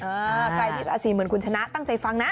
ใครที่ราศีเหมือนคุณชนะตั้งใจฟังนะ